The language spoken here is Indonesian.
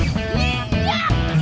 selang dia dan majo